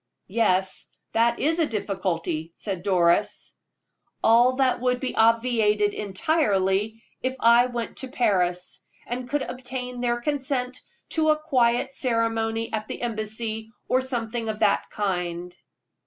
"Yes, that is a difficulty," said Doris. "All that would be obviated entirely if I went to Paris, and could obtain their consent to a quiet ceremony at the embassy, or something of that kind."